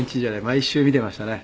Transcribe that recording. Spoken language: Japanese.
毎週見ていましたね。